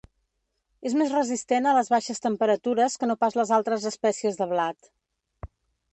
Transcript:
És més resistent a les baixes temperatures que no pas les altres espècies de blat.